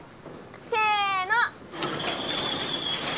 せの！